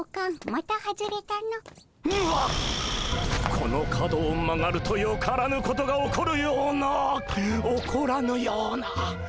この角を曲がるとよからぬことが起こるような起こらぬような。